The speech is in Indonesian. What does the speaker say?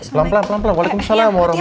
pelan pelan walaikum salam